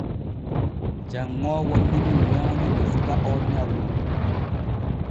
Janŋoowo numi nyawne ne suka o nyawi.